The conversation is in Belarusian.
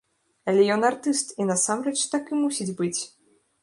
Але ён артыст, і насамрэч, так і мусіць быць!